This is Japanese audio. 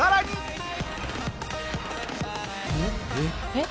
えっ？